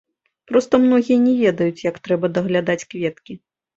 Проста многія не ведаюць, як трэба даглядаць кветкі.